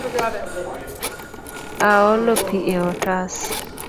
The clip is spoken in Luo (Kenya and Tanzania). Aolo pi e otas